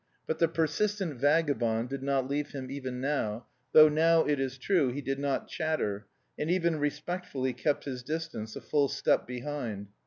But the persistent vagabond did not leave him even now, though now, it is true, he did not chatter, and even respectfully kept his distance, a full step behind.